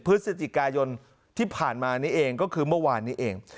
พฤศจิกายนที่ผ่านมานี้เองก็คือเมื่อวานนี้เอง